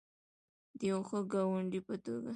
د یو ښه ګاونډي په توګه.